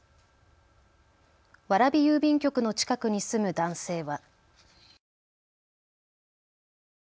蕨郵便局の近くに住む男性は。